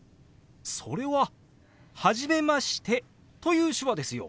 それは「初めまして」という手話ですよ。